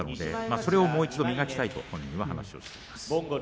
それをもう一度磨きたいと本人も話しています。